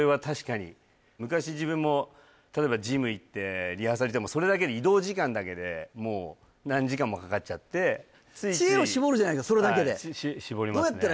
昔自分も例えばジム行ってリハーサルそれだけで移動時間だけでもう何時間もかかっちゃって知恵をしぼるじゃないそれだけでしぼりますね